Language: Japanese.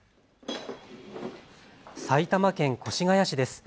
埼玉県越谷市です。